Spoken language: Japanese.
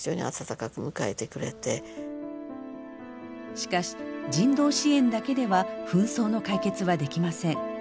しかし人道支援だけでは紛争の解決はできません。